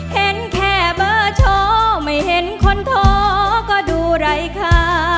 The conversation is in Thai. เห็นแค่เบอร์โทรไม่เห็นคนท้อก็ดูไร้ค่า